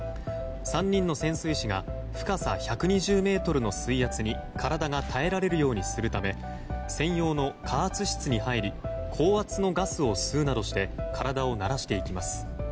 ３人の潜水士が深さ１２０ｍの水圧に体が耐えられるようにするため専用の加圧室に入り高圧のガスを吸うなどして体を慣らしていきます。